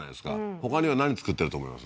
ほかには何作ってると思います？